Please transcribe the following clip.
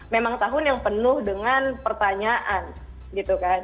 memang tahun yang penuh dengan pertanyaan gitu kan